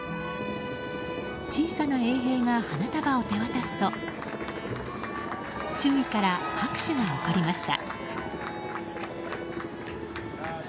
小さな衛兵が花束を手渡すと周囲から拍手が起こりました。